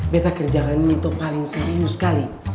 beta kerjakan ini tuh paling serius kali